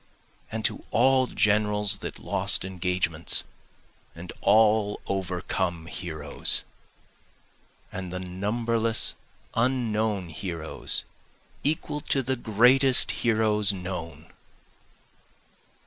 And to all generals that lost engagements, and all overcome heroes! And the numberless unknown heroes equal to the greatest heroes known!